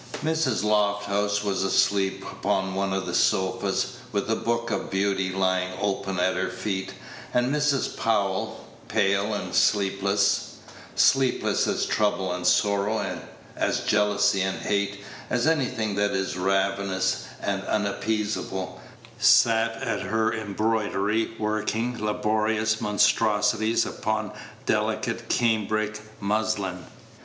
Mrs. Lofthouse was asleep upon one of the sofas, with a Book of Beauty lying open at her feet, and Mrs. Powell, pale and sleepless sleepless as trouble and sorrow, as jealousy and hate, as anything that is ravenous and unappeasable sat at her embroidery, working laborious monstrosities upon delicate cambric muslin.